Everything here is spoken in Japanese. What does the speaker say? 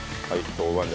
豆板醤。